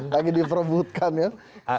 lagi diperbutkan ya